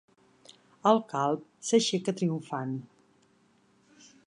El calb s'aixeca triomfant.